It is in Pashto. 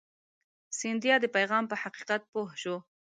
سیندهیا د پیغام په حقیقت پوه شو.